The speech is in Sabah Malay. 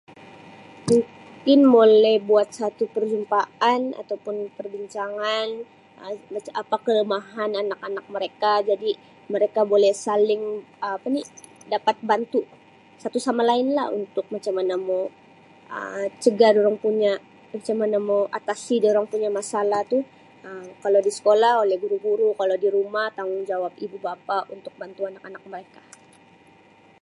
Mungkin bole buat satu perjumpaan atau pun perbincangan Um mac apa kelemahan anak-anak mereka jadi mereka boleh saling Um apa ni dapat bantu satu sama lain lah untuk macam mana mau mau Um cegah dorang punya macam mana mau atasi dorang punya masalah tu Um kalau di sekolah oleh guru-guru kalau di rumah tanggungjawab ibu bapa untuk bantu anak-anak mereka.